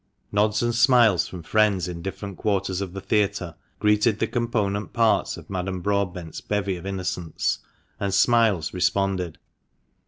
Nods and smiles from friends in different quarters of the theatre greeted the component parts of Madame Broadbent's bevy of innocents, and smiles responded.